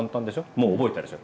もう覚えたでしょ。